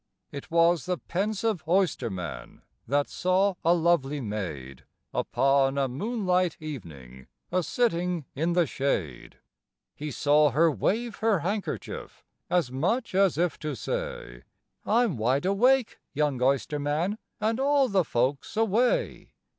It was the pensive oysterman that saw a lovely maid, Upon a moonlight evening, a sitting in the shade; He saw her wave her handkerchief, as much as if to say, "I 'm wide awake, young oysterman, and all the folks away."